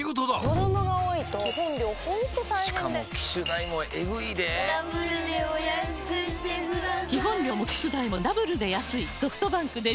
子供が多いと基本料ほんと大変でしかも機種代もエグいでぇダブルでお安くしてください